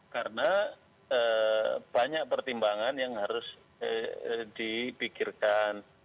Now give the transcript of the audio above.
karena banyak pertimbangan yang harus dipikirkan